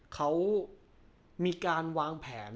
เขามีการวางแผน